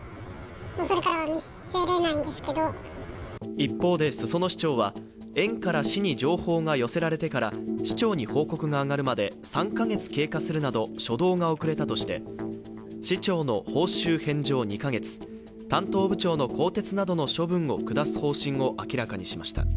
一方で、裾野市長は園から市に情報が寄せられてから市長に報告が上がるまで３か月経過するなど初動が遅れたとして市長の報酬返上２か月担当部長の更迭などの処分を下す方針を明らかにしました。